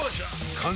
完成！